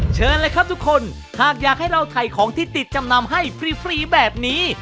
เชิญเลยครับทุกคนหากอยากให้เราถ่ายของที่ติดจำนำให้ฟรีแบบนี้